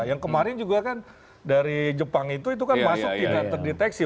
yang kemarin juga kan dari jepang itu itu kan masuk tidak terdeteksi